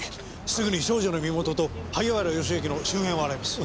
すぐに少女の身元と萩原義明の周辺を洗います。